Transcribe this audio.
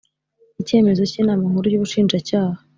Icyemezo cy Inama Nkuru y Ubushinjacyaha